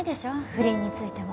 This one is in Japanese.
不倫についても。